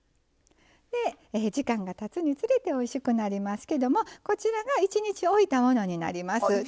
で時間がたつにつれておいしくなりますけどもこちらが１日おいたものになります。